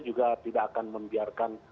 juga tidak akan membiarkan